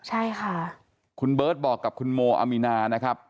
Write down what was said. ใช่ค่ะคุณเบิร์ตบอกกับคุณโมอามีนานะครับ